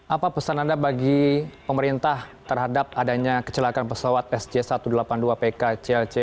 apa pesan anda bagi pemerintah terhadap adanya kecelakaan pesawat sj satu ratus delapan puluh dua pk clc